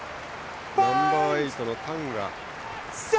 ナンバーエイトのタンガ。